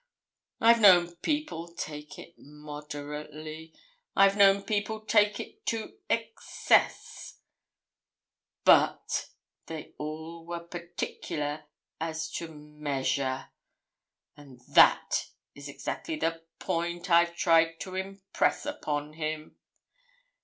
I've known people take it moderately. I've known people take it to excess, but they all were particular as to measure, and that is exactly the point I've tried to impress upon him.